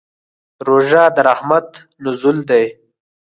روژه د رحمت نزول دی.